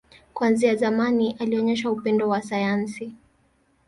Kuanzia zamani, alionyesha upendo wa sayansi.